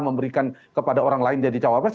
memberikan kepada orang lain jadi cawapres